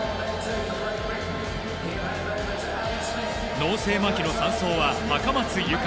脳性まひの３走は高松佑圭。